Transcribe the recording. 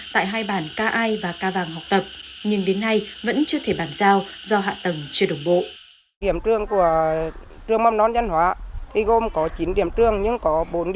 tại hai bản k i và k vàng học tập nhưng đến nay vẫn chưa thể bán giao do hạ tầng chưa đồng bộ